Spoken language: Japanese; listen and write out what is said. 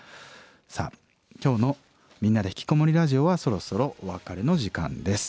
さあ今日の「みんなでひきこもりラジオ」はそろそろお別れの時間です。